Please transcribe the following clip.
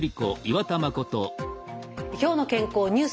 「きょうの健康ニュース」です。